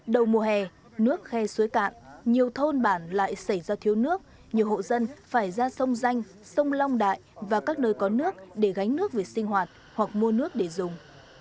đầu mùa hè nước khe suối cạn nhiều thôn bản lại xảy ra thiếu nước nhiều hộ dân phải ra sông danh sông long đại và các nơi có nước để gánh nước về sinh hoạt hoặc mua nước để dùng